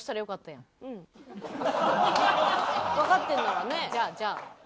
わかってんならね。